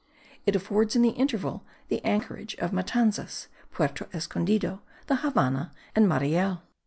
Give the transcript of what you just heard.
It affords, in the interval, the anchorage of Matanzas, Puerto Escondido, the Havannah and Mariel.